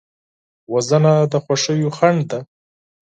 وژنه د خوښیو خنډ ده